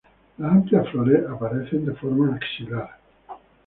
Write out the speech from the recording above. Las amplias flores aparecen de forma axilar.